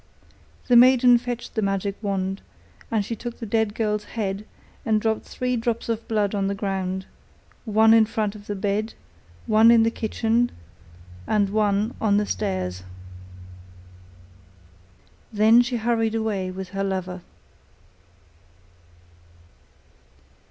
The maiden fetched the magic wand, and she took the dead girl's head and dropped three drops of blood on the ground, one in front of the bed, one in the kitchen, and one on the stairs. Then she hurried away with her lover.